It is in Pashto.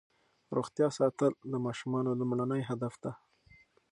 روغتیا ساتل د ماشومانو لومړنی هدف دی.